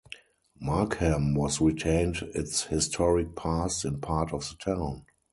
Markham has retained its historic past in part of the town.